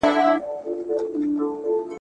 چي لېوه دی که ګیدړ خدای په خبر دی ..